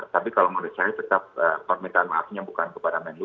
tapi kalau menurut saya tetap permintaan maafnya bukan kepada menlu